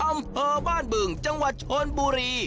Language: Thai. อำเภอบ้านบึงจังหวัดชนบุรี